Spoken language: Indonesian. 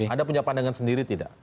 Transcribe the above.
anda punya pandangan sendiri tidak